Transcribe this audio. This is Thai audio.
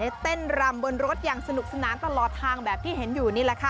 เต้นรำบนรถอย่างสนุกสนานตลอดทางแบบที่เห็นอยู่นี่แหละค่ะ